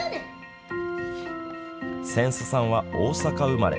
せんすさんは大阪生まれ。